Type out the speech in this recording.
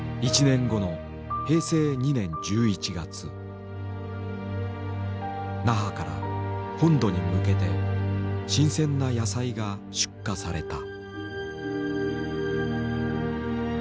１年後の那覇から本土に向けて新鮮な野菜が出荷された。